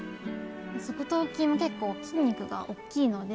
側頭筋も結構筋肉が大きいので